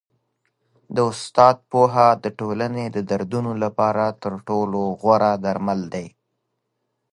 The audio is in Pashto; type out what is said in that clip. د استاد پوهه د ټولني د دردونو لپاره تر ټولو غوره درمل دی.